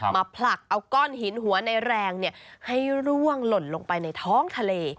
ผลักเอาก้อนหินหัวในแรงให้ร่วงหล่นลงไปในท้องทะเล